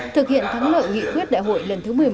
thực hiện thắng lợi nghị quyết đại hội lần thứ một mươi một